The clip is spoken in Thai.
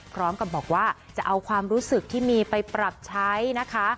พร้อมกับบอกว่าจะเอาความรู้สึกที่มีไปปรับใช้นะคะ